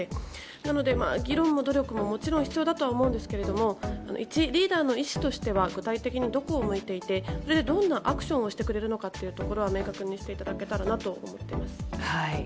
なので、議論も努力ももちろん必要だとは思うんですがリーダーの意思としてどこを向いていてどういうアクションをしてくれるのかというところは明確にしていただけたらなと思っています。